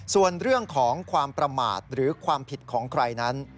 ส่วนเรื่องของความประมาทหรือความผิดของใครนั้น